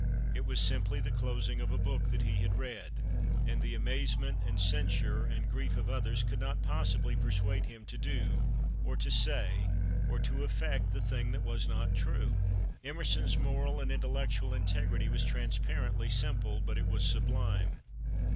It was simply the closing of a book that he had read, and the amazement and censure and grief of others could not possibly persuade him to do, or to say, or to affect, the thing that was not true. Emerson's moral and intellectual integrity was transparently simple, but it was sublime.